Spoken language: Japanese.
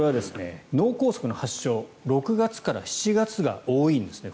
これは脳梗塞の発症６月から７月が多いんですね。